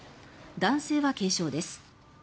男性は軽傷です。